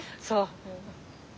そう。